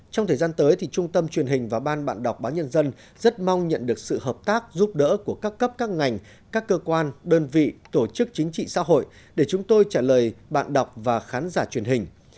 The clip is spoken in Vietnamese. trong thời gian tới trung tâm truyền hình và ban bạn đọc báo nhân dân rất mong nhận được sự hợp tác giúp đỡ của các cấp các ngành các cơ quan đơn vị tổ chức chính trị xã hội để chúng tôi trả lời bạn đọc và khán giả truyền hình